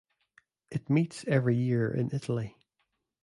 It meets every year in Italy.